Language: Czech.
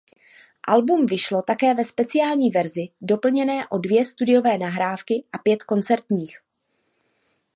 Album vyšlo také ve speciální verzi doplněné o dvě studiové nahrávky a pět koncertních.